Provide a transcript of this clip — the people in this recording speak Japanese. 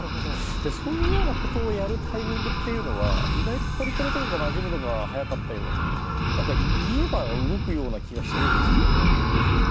そういうことをやるタイミングは意外とポリコレとかがなじむのが早かったように言えば動くような気がするんですけど。